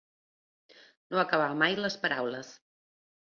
No acabar mai les paraules.